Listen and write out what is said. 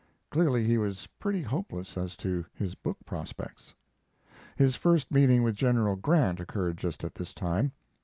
Clearly he was pretty hopeless as to his book prospects. His first meeting with General Grant occurred just at this time.